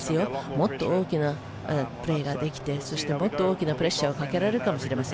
もっと大きなプレーができてもっと大きなプレッシャーをかけられるかと思います。